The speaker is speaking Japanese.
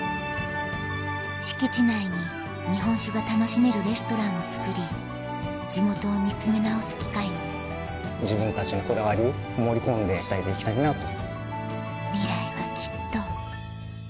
敷地内に日本酒が楽しめるレストランをつくり地元を見つめ直す機会に自分たちのこだわり盛り込んで伝えていきたいなと。